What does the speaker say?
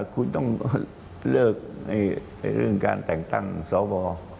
คุณต้องเลิกเรื่องการแต่งตั้งสว